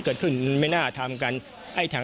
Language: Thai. เกิดขึ้นไม่น่าทำกัน